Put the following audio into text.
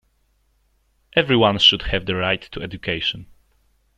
Everyone should have the right to education.